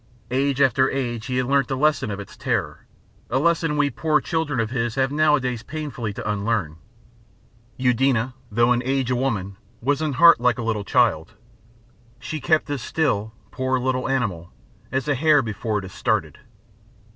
Age after age he had learnt the lesson of its terror a lesson we poor children of his have nowadays painfully to unlearn. Eudena, though in age a woman, was in heart like a little child. She kept as still, poor little animal, as a hare before it is started.